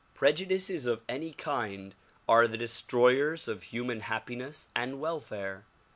Prejudices of any kind are the destroyers of human happiness and welfare.